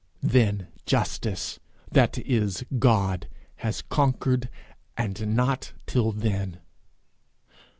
then justice, that is God, has conquered and not till then.